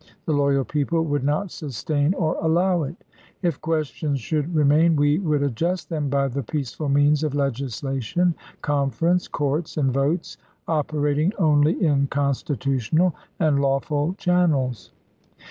The loyal people would not sustain or allow it. If questions should re main, we would adjust them by the peaceful means of legislation, conference, courts, and votes, operating only in constitutional and lawful channels.